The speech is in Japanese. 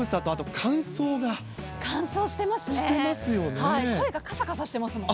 乾燥してますね。